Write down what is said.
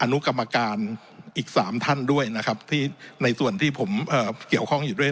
นุกรรมการอีก๓ท่านด้วยนะครับที่ในส่วนที่ผมเกี่ยวข้องอยู่ด้วย